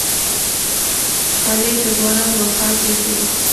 خولۍ د ځوانانو وقار زیاتوي.